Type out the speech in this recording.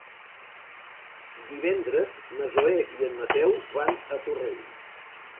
Divendres na Zoè i en Mateu van a Torrent.